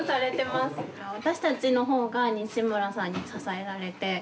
私たちの方が西村さんに支えられて。